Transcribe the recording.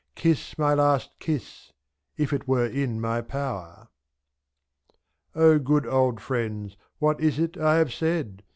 Kiss my last kiss — if it were in my power. good old friends, what is it I have said